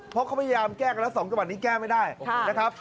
เพราะเขาพยายามแก้กันแล้ว๒จังหวัดนี้แก้ไม่ได้นะครับ